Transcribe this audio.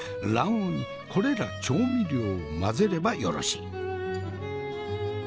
卵黄にこれら調味料を混ぜればよろし。